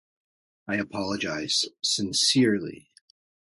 I apologise sincerely.